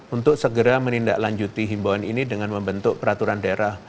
untuk segera menindaklanjuti himbawan ini dengan membentuk peraturan daerah